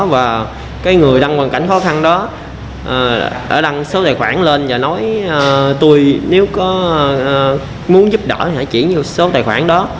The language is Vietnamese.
và cái người đăng hoàn cảnh khó khăn đó đã đăng số tài khoản lên và nói tôi nếu có muốn giúp đỡ thì hãy chuyển vô số tài khoản đó